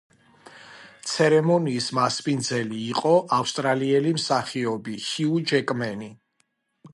ცერემონიის მასპინძელი იყო ავსტრალიელი მსახიობი ჰიუ ჯეკმენი.